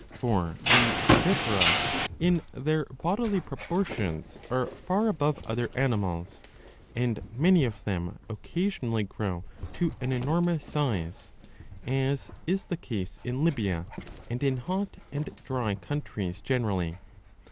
For the vivipara in their bodily proportions are far above other animals, and many of them occasionally grow to an enormous size, as is the case in Libya and in hot and dry countries generally.